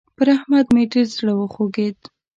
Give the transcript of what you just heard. پر احمد مې ډېر زړه وخوږېد.